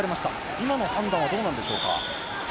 今の判断はどうなんでしょうか。